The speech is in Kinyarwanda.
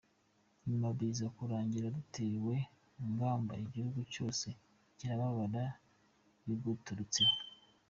nyuma biza kurangira dutewe mpaga Igihugu cyose kirababara biguturutseho!